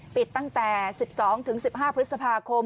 ปิดตั้งแต่๑๒๑๕พฤษภาคม